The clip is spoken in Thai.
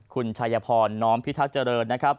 คุณชายพรน้อมพิทักษ์เจริญนะครับ